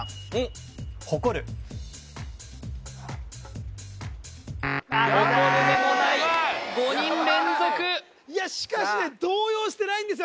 ほこるでもないいやしかしね動揺してないんですよ